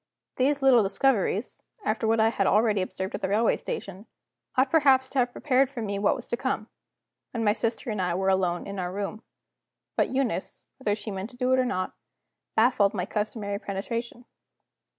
These little discoveries (after what I had already observed at the railway station) ought perhaps to have prepared me for what was to come, when my sister and I were alone in our room. But Eunice, whether she meant to do it or not, baffled my customary penetration.